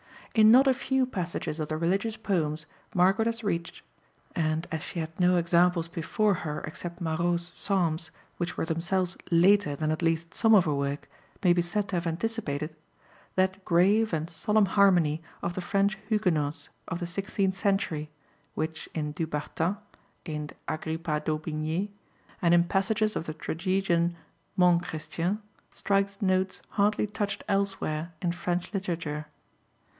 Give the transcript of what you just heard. In not a few passages of the religious poems Margaret has reached (and as she had no examples before her except Marot's psalms, which were themselves later than at least some of her work, may be said to have anticipated) that grave and solemn harmony of the French Huguenots of the sixteenth century, which in Du Bartas, in Agrippa d'Aubigné, and in passages of the tragedian Montchrestien, strikes notes hardly touched elsewhere in French literature.